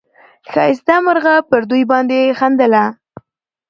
ښایسته مرغه پر دوی باندي خندله